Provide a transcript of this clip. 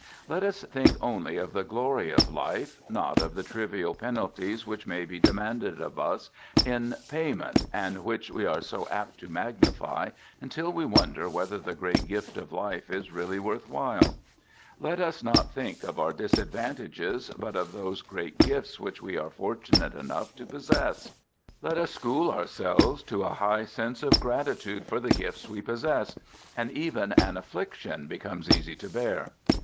Let us think only of the glory of life; not of the trivial penalties which may be demanded of us in. payment, and which we are so apt to magnify until we wonder whether the great gift of life is really worth while. | Let us not think of our disadvantages but of those i great gifts which we are fortunate enough to pos " THE GOOD SOLDIER " sess ; let us school ourselves to a high sense of grati 1 tude for the gifts we possess, and even an affliction i becomes easy to bear.